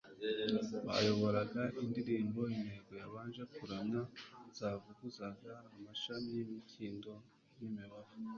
bayoboraga indirimbo. Inteko z'abaje kuramya zazvnguzaga amashami y'imikindo n'umubavu,